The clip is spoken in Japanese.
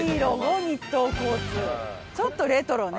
ちょっとレトロね。